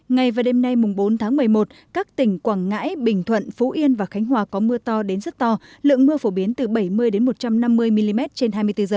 ngày và đêm nay bốn tháng một mươi một các tỉnh quảng ngãi bình thuận phú yên và khánh hòa có mưa to đến rất to lượng mưa phổ biến từ bảy mươi một trăm năm mươi mm trên hai mươi bốn h